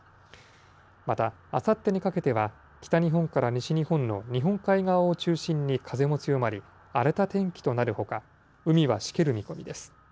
また、あさってにかけては、北日本から西日本の日本海側を中心に風も強まり、荒れた天気となるほか、海はしける見込みです。